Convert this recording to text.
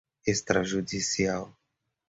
extrajudicial